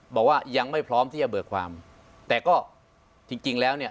บอกว่ายังไม่พร้อมที่จะเบิกความแต่ก็จริงจริงแล้วเนี่ย